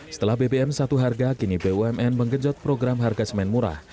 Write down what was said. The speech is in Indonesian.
setelah bbm satu harga kini bumn menggenjot program harga semen murah